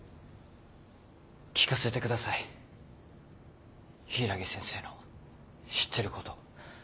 聞かせてください柊木先生の知ってること。